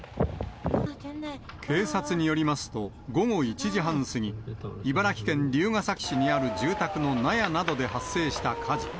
警察によりますと、午後１時半過ぎ、茨城県龍ケ崎市にある住宅の納屋などで発生した火事。